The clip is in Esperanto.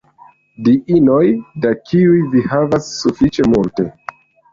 Diinoj, da kiuj vi havas sufiĉe multe.